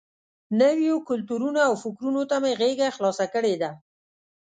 نویو کلتورونو او فکرونو ته مې غېږه خلاصه کړې ده.